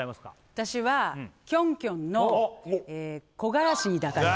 私はキョンキョンの「木枯らしに抱かれて」